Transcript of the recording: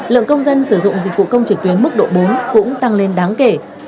lượng công dân sử dụng dịch vụ công trực tuyến mức độ bốn cũng tăng lên đáng kể